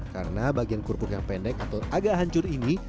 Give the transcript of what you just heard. karena bagian kerupuk yang pendek atau agak hancur ini